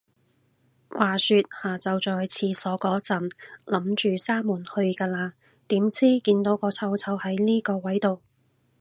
話說，下就再去廁所個陣，諗住閂門去㗎啦，點知，見到個臭臭係呢個位到